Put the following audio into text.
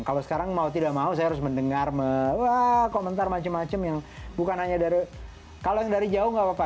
kalau sekarang mau tidak mau saya harus mendengar wah komentar macam macam yang bukan hanya dari kalau yang dari jauh nggak apa apa